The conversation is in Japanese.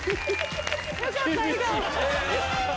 よかった笑顔。